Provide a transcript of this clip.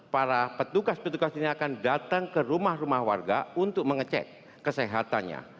para petugas petugas ini akan datang ke rumah rumah warga untuk mengecek kesehatannya